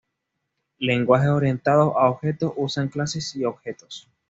Lenguajes orientados a objetos usan clases y objetos.